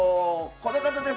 この方です。